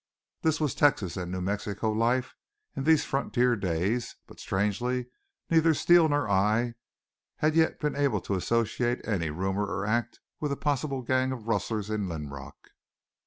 This was Texas and New Mexico life in these frontier days but, strangely neither Steele nor I had yet been able to associate any rumor or act with a possible gang of rustlers in Linrock.